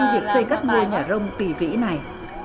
việc xây các ngôi nhà rông kỳ vĩ này